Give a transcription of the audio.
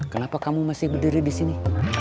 kenapa kamu masih berdiri di sini